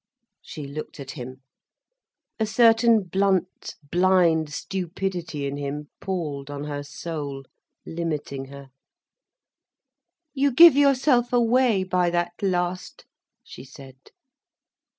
She looked at him. A certain blunt, blind stupidity in him palled on her soul, limiting her. "You give yourself away by that last," she said.